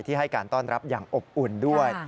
ให้การต้อนรับอย่างอบอุ่นด้วย